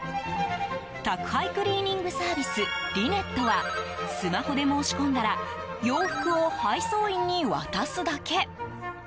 宅配クリーニングサービスリネットはスマホで申し込んだら洋服を配送員に渡すだけ。